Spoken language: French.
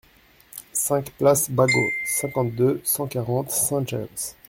cinq place Bagot, cinquante, deux cent quarante, Saint-James